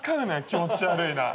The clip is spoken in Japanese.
気持ち悪いな。